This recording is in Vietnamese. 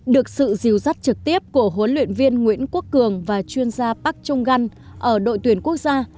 được sự dìu dắt trực tiếp của huấn luyện viên nguyễn quốc cường và chuyên gia bắc trung gan ở đội tuyển quốc gia